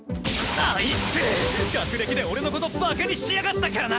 あいつ学歴で俺のことバカにしやがったからな。